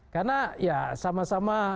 karena ya sama sama